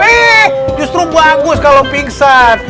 eh justru gue angus kalau pingsan